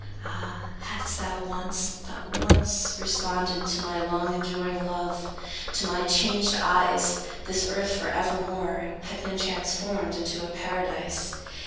Ah, hadst thou once, but once, Responded to my long enduring love, To my changed eyes this earth for evermore Had been transformed into a Paradise.